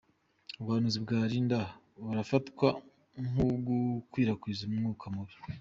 Ubuhanuzi bwa Linda burafatwa nko gukwirakwiza umwuka mubi.